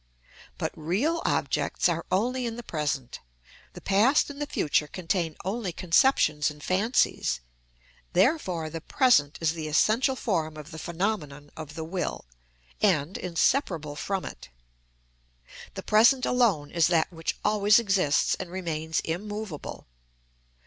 But real objects are only in the present; the past and the future contain only conceptions and fancies, therefore the present is the essential form of the phenomenon of the will, and inseparable from it. The present alone is that which always exists and remains immovable.